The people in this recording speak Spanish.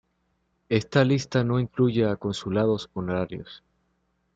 Esta lista no incluye a consulados honorarios.